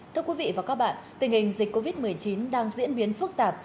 thưa quý vị và các bạn tình hình dịch covid một mươi chín đang diễn biến phức tạp